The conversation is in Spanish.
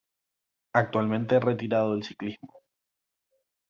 Actualmente retirado del ciclismo.